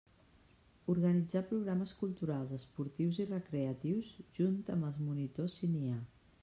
Organitzar programes culturals, esportius i recreatius, junt amb els monitors si n'hi ha.